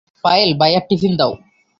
পায়েল, ভাইয়ার টিফিন দাও।